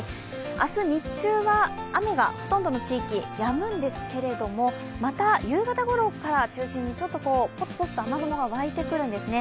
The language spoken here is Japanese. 明日日中は雨がほとんどの地域やむんですけれども、また、夕方ごろから中心にちょっとぽつぽつと雨雲がわいてくるんですね。